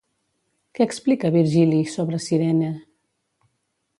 Què explica Virgili sobre Cirene?